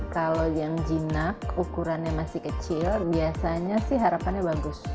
kalau yang jinak ukurannya masih kecil biasanya sih harapannya bagus